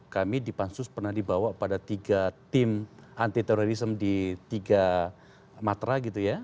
kami di pansus pernah dibawa pada tiga tim anti terorisme di tiga matra gitu ya